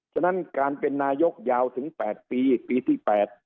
ฉะนั้นการเป็นนายกยาวถึง๘ปีปีที่๘